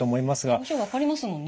表情分かりますもんね。